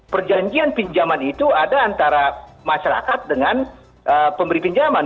perjanjian pinjaman itu ada antara masyarakat dengan pemberi pinjaman